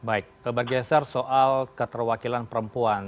baik bergeser soal keterwakilan perempuan